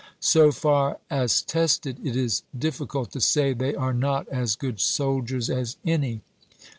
So far as tested it is diffi cult to say they are not as good soldiers as any.